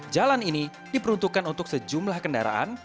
jalan ini diperuntukkan untuk sejumlah kendaraan